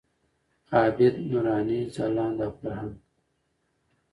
عابد، نوراني، ځلاند او فرهنګ.